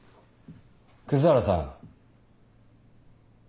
葛原さん。